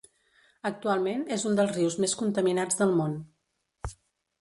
Actualment és un dels rius més contaminats del món.